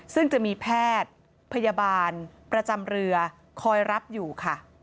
ซึ่งจะมีแพทย์พยาบาลประจำเรือคอยรับอยู่ค่ะ